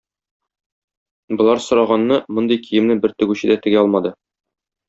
Болар сораганны, мондый киемне бер тегүче дә тегә алмады.